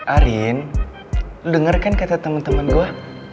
arin lo denger kan kata temen temen gue